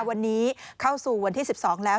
วันนี้เข้าสู่วันที่๑๒แล้ว